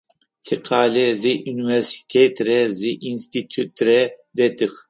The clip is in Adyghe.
Тикъалэ зы университетрэ зы институтрэ дэтых.